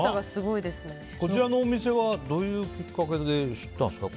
こちらのお店はどういうきっかけで知ったんですか。